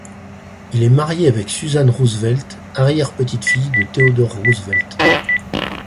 Il est marié avec Susan Roosevelt, arrière-petite-fille de Theodore Roosevelt.